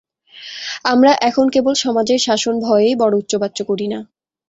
আমরা এখন কেবল সমাজের শাসন-ভয়েই বড় উচ্চবাচ্য করি না।